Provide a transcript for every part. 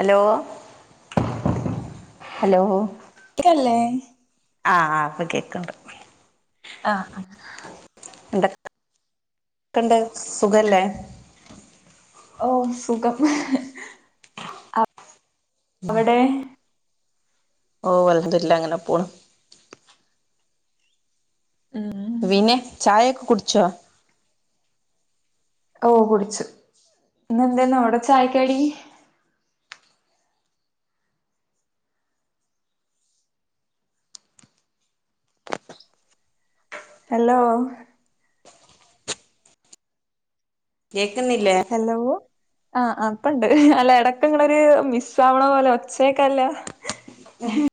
Hello hello ഇതല്ലേ ആഹ് അപ്പൊ കേക്കണ്ട് ആഹ് എന്തെക്കെണ്ട് സുഖല്ലേ ഓഹ് സുഖം എവടെ ഓഹ് അൽഹംദുലില്ലാഹ് ങ്ങനെ പോണ് ഉം പിന്നെ ചായോക്കെ കുടിച്ചോ ഓഹ് കുടിച്ചു ഇന്നെന്തേന്നു അവിടെ ചായക്കടി ഹലോ കേക്ക്ന്നില്ലേ ഹലോ ആഹ്അപ്പണ്ട് അല്ല ഇടക്ക് ഇങ്ങളെരു മിസ്സ ആവണ പോലെ ഒച്ചേ ക്കാല്ല ഉം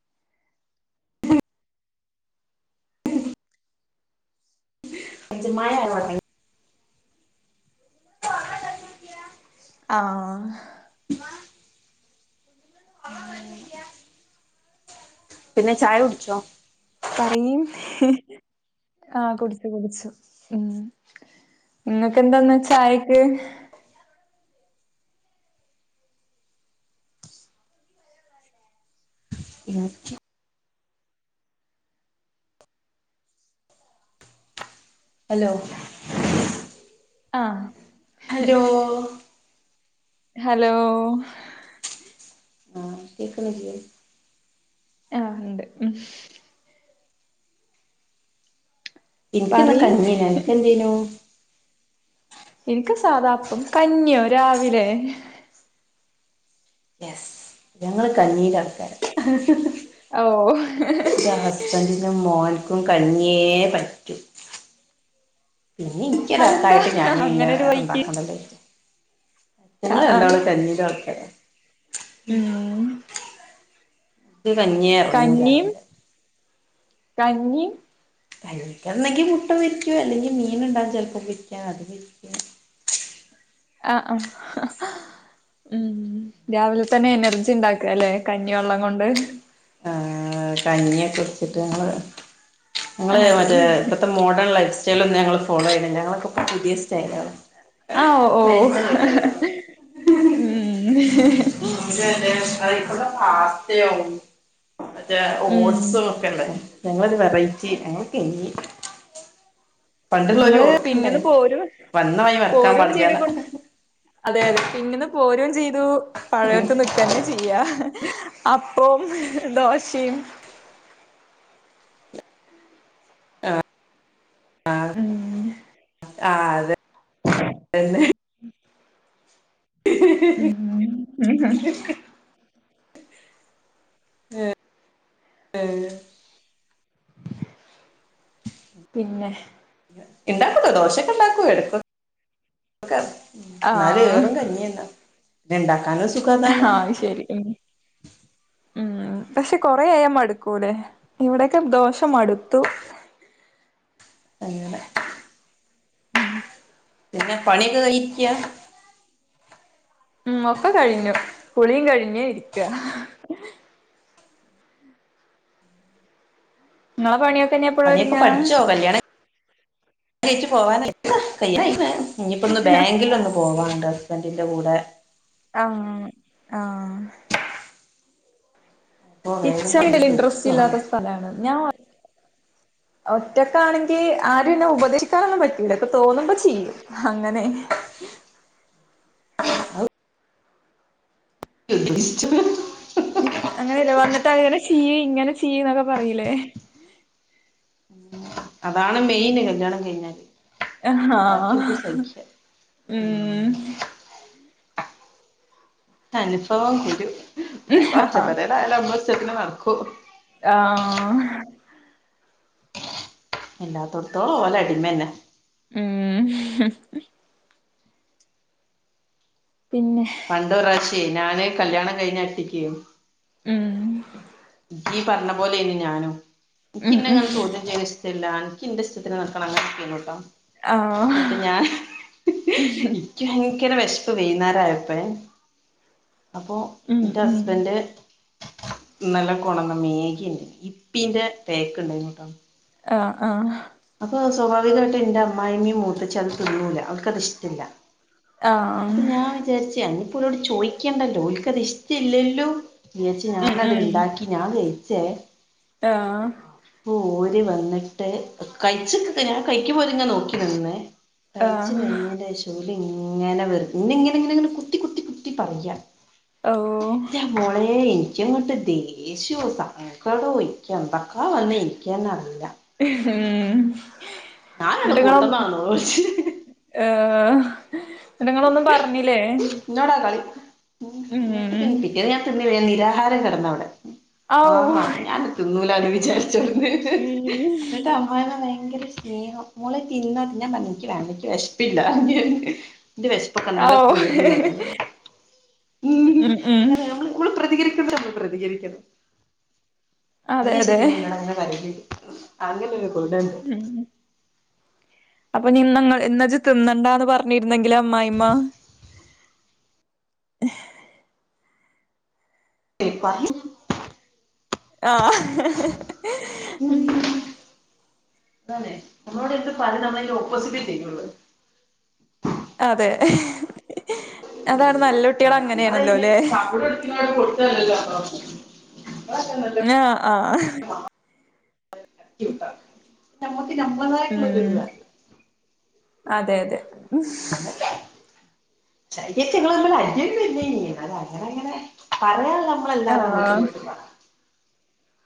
ഇച്‌ മായ [unintelligible] ആഹ് മ്മാ [unintelligible] [unintelligible] പിന്നെ ചായ കുടിച്ചോ പറയിം ആ കുടിച്ചു കുടിച്ചു ഉം നിങ്ങക്കെന്താന്ന് ചായക്ക് നിക്ക് ഹലോ ആഹ് ഹലോ ഹലോ ആ ക്കേക്ക്നില്ലെ ആണ്ട് ഉം ഇനിക്ക്ന്ന് പറയ് കഞ്ഞിയർന്നു അനക്കെന്തെ ർന്നു ഇനിക്ക് സാദാപ്പം കഞ്ഞിയോ രാവിലെ യെസ് ഞങ്ങള് കഞീന്റെ ആൾക്കാര ഓഹ് ൻ്റെ ഹസ്ബൻഡിനും മോനിക്കും കഞ്ഞിയേ പറ്റൂ പിന്നെ അതെന്താ എനിക്കൊരാൾക്കായിട്ട് ഞാനും പിന്നെ അങ്ങനെ ഒരു വേറെ വഴിക്ക് ഉണ്ടാക്കണ്ടല്ലേ ആ ഞങ്ങള് ആ രണ്ടാളും കഞ്ഞീന്റെ ആൾക്കാരാ ഉം ക്ക് കഞ്ഞിയേ ഇറങ്ങൂ രാവിലെ കഞ്ഞിം കഴിക്കന്നെങ്കി മുട്ട പൊരിക്കും അല്ലെങ്കിൽ മീന് ണ്ടാവും ചിലപ്പോപൊരിക്കാം അത്‌ പൊരിക്കും ആഹ് ആഹ് ഉം രാവിലെ തന്നെ എനർജി ഉണ്ടാക്കല്ലെ കഞ്ഞിവെള്ളം കൊണ്ട് ആഹ് കഞ്ഞിയൊക്കെ കുട്ച്ച്ട്ട് ഞങ്ങെൾ ഞങ്ങെൾ അതെ മറ്റേ ഇപ്പത്തെ മോഡേൺ ലൈഫ് സ്റ്റൈൽ ഒന്നും ഞങ്ങെൾ ഫോളോ ചെയ്യ്ണില്ല ഞങ്ങളൊക്കെ പുതിയ സ്റ്റെയിലാണ് ആഹ് ഓഹ് ഉം അതെലെ അയ്ക്കൂടെ [unintelligible] ത്തെ ആവും മറ്റേ ഉം ഓട്സും ഒക്കെല്ലെ ഞങ്ങളൊരു വെറൈറ്റി ഞങ്ങെൾക്ക് ഇനി ഇന്ന് ഇങ്ങെൾ ഓർക്കണ്ടേ പിന്നിന്ന് പോരും വന്ന വഴി മറക്കാൻ പോരും പാടില്ലാന്ന് ചെയ്തുക്കുണു അതെ അതെ പിന്നിന്ന് പോരും ചെയ്തു പഴെയോര്ത്ത് നിക്കെന്നെ ചെയ്യാ അപ്പോം ദോശിം ആഹ് അങ്ങനെ ആഹ് അതെ ഇതെന്നെ ഉംഹും എഹ് ഏഹ് പിന്നെ ഇണ്ടാക്കുട്ടോ ദോശൊക്കെ ഇണ്ടാക്കും എട്ക്കൊക്കെ ഇന്നാലും ആഹ് ഏറും കഞ്ഞിയെന്നാ പിന്നെ ഇണ്ടാക്കാനും സുഖം അതാണ് ശെരി ഉം പക്ഷെ കൊറേആയ മടുക്കൂല്ലേ? ഇവിടെക്കെ ദോഷ മടുത്തു അങ്ങനെ [inaudible] ഹും പിന്നേ പണിയൊക്കെ കഴിഞ്ഞിരിക്കാ? ഉം ഒക്കെ കഴിഞ്ഞു കുളിം കഴിഞ്ഞ് ഇരിക്ക. ങ്ങളെ പണിയൊക്കെ ന്നെ പണിയൊക്കെ പഠിച്ചോ കല്യാണം കഴിച്ച് പോവാനാഴിയ്ക്ക് കഴിയാനായ്ക്ക്ണ് ഇനിയിപ്പൊന്ന് ബാങ്കിലൊന്ന് പോവാണ്ട് ഹസ്ബൻഡിൻ്റെ കൂടെ. അങ്ങനെ ആഹ്. അപ്പൊ വേഗം പണി കിച്ചണ്ടല്ലാ തീർക്കുകയാണ് ഇൻട്രസ്റ്റില്ലാത്ത സ്ഥലാണ് ഞാൻ വ. ഒറ്റക്കാണെങ്കി ആരും എന്നെ ഉപദേശിക്കാനൊന്നും പറ്റൂല ഇൻക് തോന്നുമ്പോ ചെയ്യും. അങ്ങനെ. [unintelligible] അങ്ങനെയല്ല വന്നിട്ട് അങ്ങനെ ചിയ്യ് ഇങ്ങനെ ചിയ്യ് എന്നൊക്കെ പറയിലേ. അതാണ് മെയിന് കല്യാണം കഴിഞ്ഞാല് ആഹ് ബാക്ക്യന്തും സഹിക്ക. ഉം. അനുഭവം ഗുരു തക്കെ ഒറ്റപ്പെരേലായാൽ നമ്മളഷ്ടത്തിന് നടക്കും. ആഹ്. എല്ലാത്തൊടുത്തോളം ഓലടിമന്നെ. ഉം ആഹ് പിന്നെ. പണ്ടൊറാശ്യ ഞാൻ കല്യാണം കഴിഞ്ഞ അട്ടിക്ക്. ഉം യ്യ് പറഞ്ഞ പോലേനിം ഞാനും ഉം ഉം ഇൻക്ക്ന്നങ്ങനെ ചോദ്യം ചെയ്. എല്ല അൻക്കിന്റെഷ്ടത്തിന് നടക്കണം അങ്ങനെന്തെങ്കിലുണ്ടോ? ആഹ് ന്നട്ട് ഞാൻ. ഇൻക് ഭയങ്കര വെശ്പ്പ് വൈന്നേരായപ്പഴേ അപ്പോ ഉം ന്റെ ഉം ഹസ്ബൻഡ്. ഇന്നലെ കൊടന്ന മേഘിണ്ട് ഇപ്പി്ന്റെ പേക്ക് ണ്ടേനിട്ടോ. ആഹ് ആഹ് അപ്പൊ സ്വാഭാവികായിട്ട് എന്റെ അമ്മായിമ്മിം മൂത്തച്ചിം അത് തീന്നൂല അവർക്കത് ഇഷ്ടല്ല. ആഹ്. അപ്പൊ ഞാൻ വിചാരിച്ച് അയി നിപ്പോരോട് ചോയ്ക്കണ്ടല്ലോ ഓൽകത് ഇഷ്ടല്ലല്ലോ. [unintelligible] ഉം ഞാൻ അത് ഉം ണ്ടാക്കി ഞാൻ കയിച്ചേ. ആഹ്. പ്പോ ഓര് വന്നിട്ട് കഴിച്ച്ക്ക് ഞാൻ കഴിക്കുമ്പോര് ങ്ങനെ നോക്കി നിന്നേ. കയ്ച്ച് ആഹ് കഴിഞ്ഞേന്റേശം ഓലിങ്ങനെ വെർ ഇന്നെങ്ങനെ ങ്ങനെ ങ്ങനെ കുത്തി കുത്തി കുത്തി പറയ്യാ. ഓഹ്. ന്റെ മോളെ ൻക് ങ്ങട്ട് ദേഷ്യാേ സങ്ക സങ്കടോ ൻക്ക് എന്തൊക്കാ വന്നേ ഇൻക്കന്നറീല. ഉംമ് ഞാനാണ് ന്നട്ട് ങ്ങള് ഒ. കൂത്തന്നാണോ ചോദിച്ച് ഏഹ് ന്നട്ട് ങ്ങളൊന്നും പറഞ്ഞില്ലേ? ഇന്നോടാ കളി ഉ ന്നിട്ട് പിന്നെ ഉം പിറ്റേന്ന് ഞാൻ തിന്നില്ല നിരാഹാരം കിടന്നവിടെ. ഔ ആഹാ ഞാൻ തിന്നൂലന്ന് വിചാരിച്ചോള്ളുന്നേ. [unintelligible] ഉം മ്മായിമ്മ ഭയങ്കര സ്നേഹം മോളെ തിന്ന ഞാൻ പറഞ്ഞ് ഇൻക്ക് വേണ്ട ഇൻക്ക് വെശ്പ്പില്ലന്നർഞ്ഞ് ഞാൻ. ന്റെ വെശ്പ്പൊക്കെ ഔ ഇന്നലെ തീർന്ന് ർഞ്ഞ് ഞാൻ മ് ഉം ഉം അങ്ങനെ നമ്മള്. മ്മൾ പ്രതികരിക്കേണ്ടത് മ്മൾ പ്രതികരിക്കണ്ടെ അതെ ഇന്റെഷ്ടത്തിന് അതെ ഇങ്ങളെങ്ങ പറയൽ അങ്ങൻത്തൊരു. [unintelligible] ഉം അപ്പൊ നീന്ന ങ്ങൾ ന്നാജ് തിന്നണ്ടാന്ന് പറഞ്ഞിരുന്നെങ്കിലാ അമ്മായിമ്മ. ഏഹ്. ഇപ്പാനിം മ്. ആഹ്. ആഹ് അതന്നെ നമ്മളോട് എന്ത് പറിണ് നമ്മളയിന് ഓപ്പോസിറ്റേ ചെയ്യാെള്ളു. അതെ അതാണ് നല്ല കുട്ടികൾ അങ്ങനെയാണല്ലോ നമ്മളതിന് അല്ലെ [inaudible] ങേ ആ ആഹ് ഞമ്മക്ക് ഞമ്മളാതായിട്ടുള്ളൊരു ഇത് ഉം വേണം അതെ അതെ വന്നില്ലെ [unintelligible] നമ്മള് തമ്മില് അടിയൊന്നും ഇല്ലായിരുന്നേ നി അങ്ങനെ അങ്ങനെ പറയാനുള്ള ആ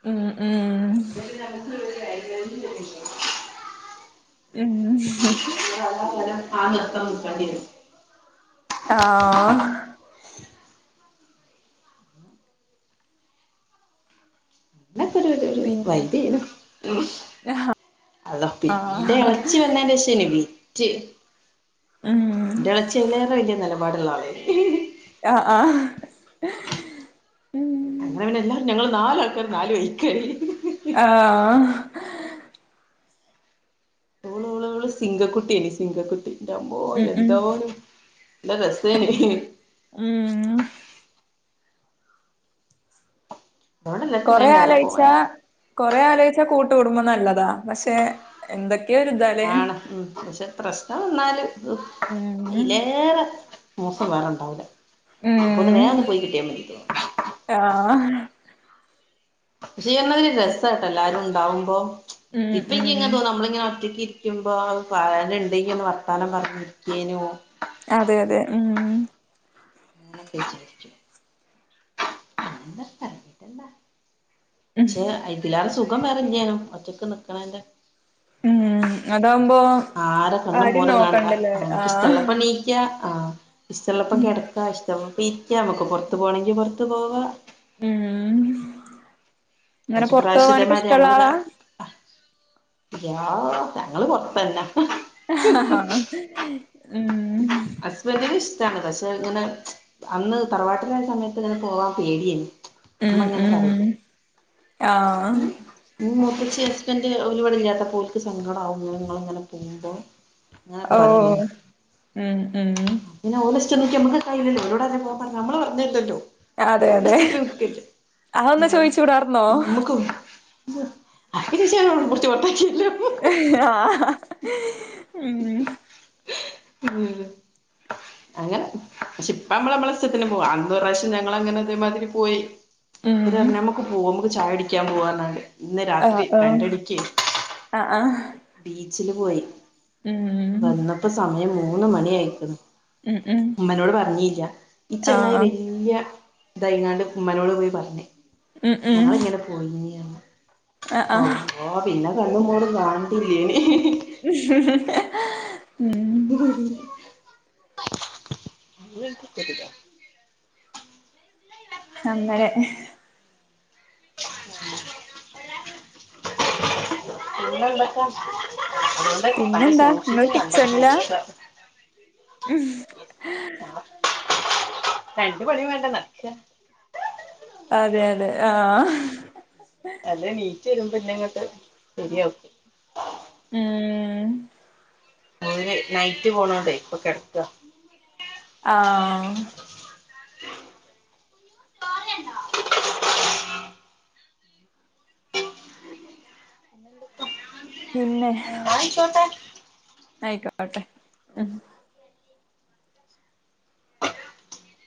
ഹ് മ്മ്മ്മ് [inaudible] മ്മ് അല്ല ഒരാൾ ഫാൻനിർത്താൻ നിക്കേണ്ടിവരും ആ ഹ് അതൊരു രുരു പിന്നെ വൈബേനു അള്ളാ പിന്നെളെച്ചി ആഹ് എളച്ചി വന്നേനേഷനി വിറ്റ് ഉം ഇന്റെളെച്ചി അയിലേറെ വല്ല്യ നെലപാട്ള്ള ആളേനി ഹി ഹി ആഹ് ആഹ് ഉം അങ്ങനെ പിന്നെല്ലാരും ഞങ്ങള് നാല് ആൾക്കാരും നാല് വഴിക്കായി ആഹ് ഓള് ഓള് ഓള് സിങ്കക്കുട്ടിയല്ലേ സിങ്കക്കുട്ടി എന്റമ്മോ ഉം ഉം എന്താണ് നല്ല രസേനി മ് അതുകൊണ്ട് എല്ലാവർക്കും കൊറെ വേഗം വേറെ ആലോയിച്ച പോവാനായി കൊറെ ആലോയിച്ച കൂട്ടുകുടുംബം നല്ലതാ പക്ഷെ എന്തൊക്കെയൊ രുതാലേ ആണ് ഉം പക്ഷെ പ്രശ് എന്നാവന്നാലും ഹ് ഉം അയിലേറെ മോശം വേറെണ്ടാവില്ല അപ്പൊന്ന് വേഒന്ന് പോയി കിട്ടിയ മതിചാര്ക്കും ആഹാ [unintelligible] രസട്ടാ എല്ലാരും ഉണ്ടാവുമ്പോ ഉം ഇപ്പ എനി എങ്ങെ ഉം തോന്നും നമ്മളിങ്ങനെ ഒറ്റയ്ക്ക് രിക്കുമ്പോൾ പറയാനു ഉണ്ടെങ്കിൽ ഒന്ന് വർത്താനം പറഞ്ഞിരിക്കേനു അതെ അതെ ഉം അങ്ങനെ ഒക്കെ വിചാരിച്ചു [unintelligible] പർഞ്ഞിട്ടെന്താ പക്ഷേ അയിന് ഇല്ലാതെ സുഖം വേറെ തന്നെയാ ഒറ്റക്ക് നിക്കണെന്റെ ഉം അതാവുമ്പോ? ആരെ കണ്ണും ആരും മോറും കാണണ്ടാ നോക്കണ്ടല്ലേ അമ്മക്ക് ആഹ് ഇഷ്ടള്ളപ്പോ എണി ക്ക ആ ഇഷ്ടള്ളപ്പ കിടക്കാ ഇഷ്ടള്ളപ്പ ഇരിക്കാം നമുക്ക് പൊറത്ത് പോകണമെങ്കി പൊറത്ത് പോവാം ഉം ഇങ്ങനെ ഒരേ പൊറത്ത് പ്രാവശ്യം പോവാനൊക്കെ ഇതേമാതിരി ഇഷ്ടള്ള ഞങ്ങള് ഇതാ ആളാ രാ ഉം ഹ ഹ ഉം ഹസ്ബെന്റിന് ഇഷ്ടമാണ് പക്ഷെ ഇങ്ങനെ അന്ന് തറവാട്ടിലായ സമയത്ത് ഇങ്ങനെ പോവാൻ പേടിയായി ഉം ഉം ആഹ് മ്മ് മുത്താച്ചി ഹസ്ബൻഡ് ഓര്ഇവിടെ ഇല്ലാത്തപ്പോ ഓര്ക്ക് സങ്കടമാക്കും ഞങ്ങള് ഇങ്ങനെ പോകുമ്പോ ഇങ്ങനൊക്കെ പറയില്ലേ ഓഹ് ഉം ഉം പിന്നെ ഓലെ ഇഷ്ടം നോക്കി നമ്മുക്ക് കയുല്ലലോ ഓനോട്‌ ആരാ പോക്കാൻ പറഞ്ഞേ നമ്മൾ പറഞ്ഞലല്ലോ അതെ അതെ അതൊന്ന് അയ്യോ ചോദിച്ചുടാർ [unintelligible] [unintelligible] ആഹ് ഉം ഉം അങ്ങനെ പക്ഷെ ഇപ്പ അമ്മള് അമ്മള്ള് ഇഷ്ടത്തിന് പോകാം അന്ന് ഒരു പ്രാവശ്യം ഞങ്ങള്ള് അങ്ങനെ ഇതേമാതിരി പോയി എന്നിട്ട് ഉം പറഞ്ഞ്നമ്മക്ക് പോവാംനമ്മുക്ക് ചായ കുടിക്കാൻ പോവാന്നാ ണ്ട് ഇന്ന് രാത്രി ആഹ് ആഹ് രണ്ടടിക്ക് ആഹ് ആഹ് ബീച്ചില് പോയി ഉം വന്നപ്പ സമയം മൂന്ന് മണി ആയ്ക്ണ് ഉം ഉം ഉമ്മനോട് പറഞ്ഞില്ല ഈ ചെങ്ങായി ആഹ് വല്യ ഇതൈങ്ങാണ്ട് ഉമ്മനോട് പോയി പറഞ്ഞ് ഉം ഉം ഞങ്ങളിങ്ങനെ പോയിരുന്നു ആഹ് ആഹ് അള്ളാ പിന്നെ കണ്ണും മോറും കാണണ്ടില്ലേനി ഉ [inaudible] [inaudible] അങ്ങനെ ആഹ് [unintelligible] പിന്നെന്താ ഇങ്ങള് [unintelligible] ഉം രണ്ടു പണിയും വേണ്ട നട്‌ക്ക അതെ അതെ ആഹ് അല്ലേ നീറ്റ് വരുമ്പോന്നെങ്ങോക്ക് ശരിയാക്കും. ഉം ഓരേ നൈറ്റ് പോണൊണ്ടേ ഇപ്പൊ കിടക്ക ആഹ് പിന്നെ, ന്നായിക്കോട്ടെ ന്നാ ആയിക്കോട്ടെ ഉം ആ [inaudible]